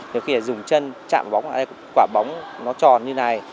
nếu như dùng chân chạm bóng quả bóng nó tròn như này